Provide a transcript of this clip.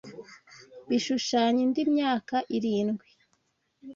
bishushanya indi myaka irindwi